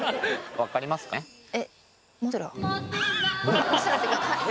分かりますかね？